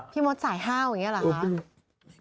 มดสายห้าวอย่างนี้เหรอคะ